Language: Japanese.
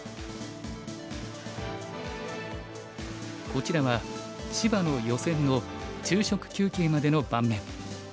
こちらは芝野・余戦の昼食休憩までの盤面。